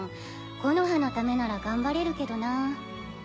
木ノ葉のためなら頑張れるけどなぁ。